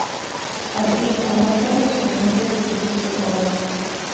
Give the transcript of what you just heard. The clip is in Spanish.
Así, al matar a los conejos destruye su trabajo.